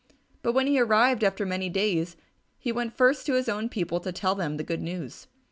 But when he arrived after many days, he went first to his own people to tell them the good news.